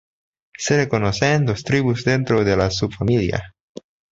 Se reconocen dos tribus dentro de la subfamilia.